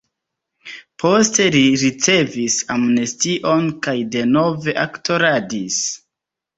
Poste li ricevis amnestion kaj denove aktoradis.